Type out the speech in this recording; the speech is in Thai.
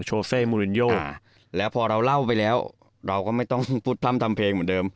โซเซมูลินโยแล้วพอเราเล่าไปแล้วเราก็ไม่ต้องพูดพร่ำทำเพลงเหมือนเดิม